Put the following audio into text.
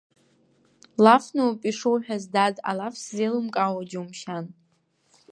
Лафноуп ишуҳәаз, дад, алаф сзеилымкаауа џьумшьан.